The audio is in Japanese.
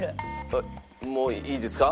えっもういいですか？